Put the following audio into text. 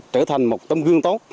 trở thành một tâm gương tốt